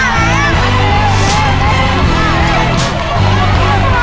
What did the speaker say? สวัสดีครับ